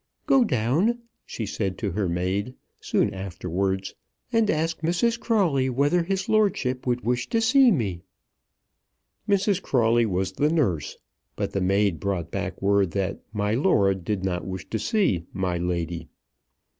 "Go down," she said to her maid soon afterwards, "and ask Mrs. Crawley whether his Lordship would wish to see me." Mrs. Crawley was the nurse. But the maid brought back word that "My Lord" did not wish to see "My Lady."